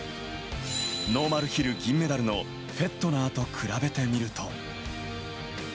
ノーマルヒル銀メダルのフェットナーと比べてみると。